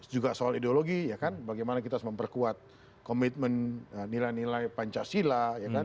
juga soal ideologi ya kan bagaimana kita harus memperkuat komitmen nilai nilai pancasila